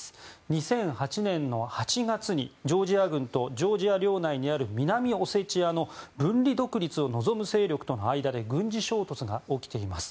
２００８年８月にジョージア軍とジョージア領内にある南オセチアの分離独立を望む勢力との間で軍事衝突が起きています。